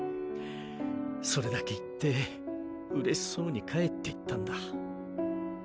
それだけ言って嬉しそうに帰っていったんだ。